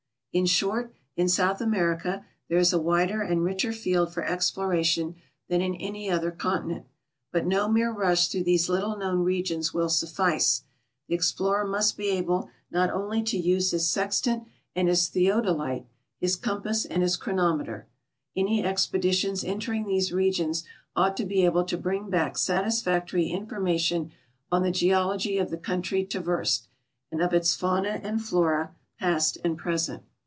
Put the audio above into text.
In short, in South America there is a wider and richer field for exploration than in any other continent. But no mere rush throu'di these little known regions will snnire. The explorer 262 THE UNMAPPED AREAS ON THE EARTH'S SURFACE must be able not only to use his sextant and his theodolite, his compass, and his chronometer. Any expeditions entering these regions ought to be able to bring back satisfactory information on the geology of the country traversed, and of its fauna and flora, past and present.